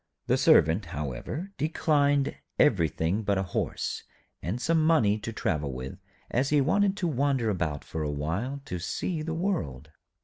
The Servant, however, declined everything but a horse, and some money to travel with, as he wanted to wander about for a while, to see the world.